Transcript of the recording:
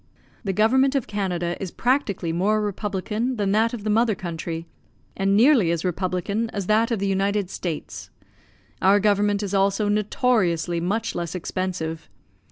The government of Canada is practically more republican than that of the mother country and nearly as republican as that of the United States. Our government is also notoriously much less expensive.